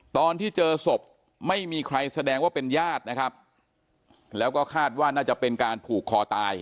ตอนที่เจอศพไม่มีใครแสดงว่าเป็นญาตินะครับแล้วก็คาดว่าน่าจะเป็นการผูกคอตาย